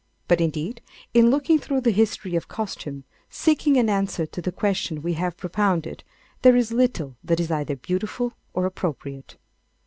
But indeed, in looking through the history of costume, seeking an answer to the questions we have propounded, there is little that is either beautiful or appropriate.